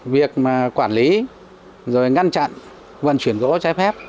việc mà quản lý rồi ngăn chặn vận chuyển gỗ trái phép